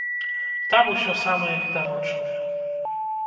Там усё самае відавочнае.